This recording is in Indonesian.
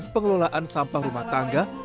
pengelolaan sampah rumah tangga